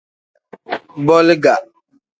Boliga.